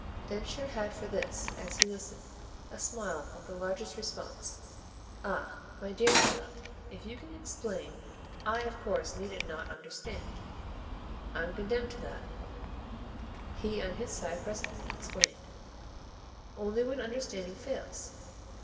Densher had for this, as he listened, a smile of the largest response. "Ah my dear child, if you can explain I of course needn't not 'understand.' I'm condemned to that," he on his side presently explained, "only when understanding fails."